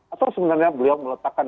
atau sebenarnya beliau meletakkan dua kata